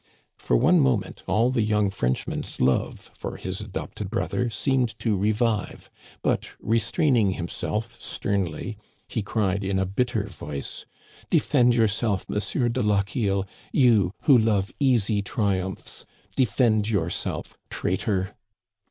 For one moment all the young Frenchman's love for his adopted brother seemed to revive, but, restraining himself sternly, he cried in a bitter voice :" Defend yourself, M. de Lochiel ; you, who love easy triumphs, defend yourself, traitor